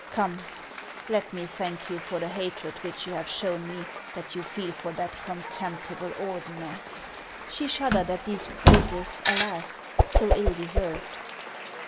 Come ! let me thank you for the hatred which you have shown me that you feel for that contemptible Ordener." She shuddered at these praises, alas ! so ill deserved.